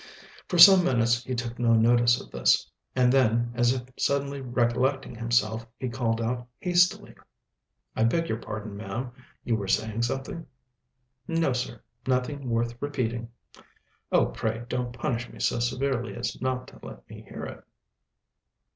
For some minutes he took no notice of this; and then, as if suddenly recollecting himself, he called out hastily, "I beg your pardon, ma'am, you were saying something?" "No, sir; nothing worth repeating." "Oh, pray don't punish me so severely as not to let me hear it!"